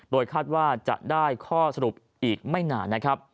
โดยคาดว่าจะได้ข้อสรุปอีกไม่นานนะครับ